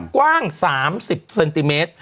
กว้าง๓๐เซนทมิตร